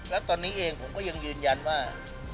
แล้วตอนนี้เองผมก็ยังยืนยันว่า